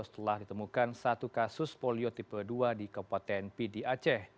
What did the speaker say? setelah ditemukan satu kasus polio tipe dua di kabupaten pdi aceh